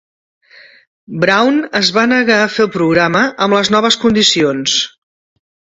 Brown es va negar a fer el programa amb les noves condicions.